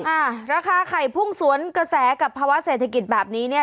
อ่าราคาไข่พุ่งสวนกระแสกับภาวะเศรษฐกิจแบบนี้เนี่ย